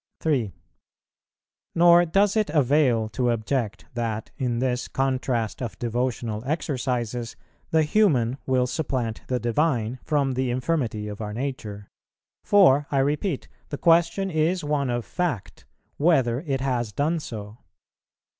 3. Nor does it avail to object that, in this contrast of devotional exercises, the human will supplant the Divine, from the infirmity of our nature; for, I repeat, the question is one of fact, whether it has done so.